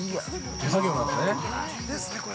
◆手作業なんですね。